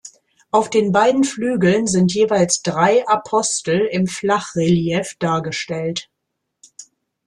Auf den beiden Flügeln sind jeweils drei Apostel im Flachrelief dargestellt.